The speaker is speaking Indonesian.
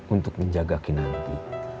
untuk menjaga kinanti